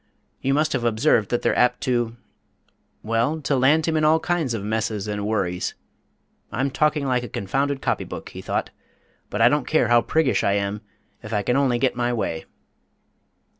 You must have observed that they're apt to well, to land him in all kinds of messes and worries.... I'm talking like a confounded copybook," he thought, "but I don't care how priggish I am if I can only get my way!"